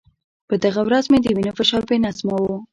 په دغه ورځ مې د وینې فشار بې نظمه و.